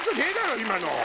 今の。